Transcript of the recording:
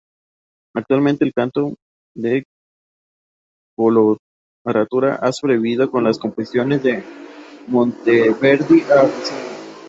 Actualmente el canto de coloratura ha sobrevivido con las composiciones de Monteverdi a Rossini.